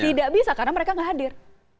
tidak bisa karena mereka tidak hadir